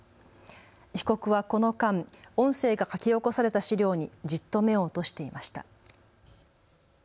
被告はこの間、音声が書き起こされた資料にじっと目を落としていました。